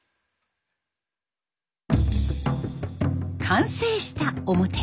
完成した面。